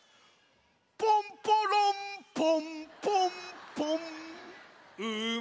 ポンポロンポンポンポンいよっ。